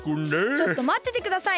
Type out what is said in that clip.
ちょっとまっててください。